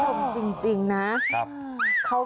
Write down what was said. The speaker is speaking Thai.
โอ้โฮชมจริงนะครับ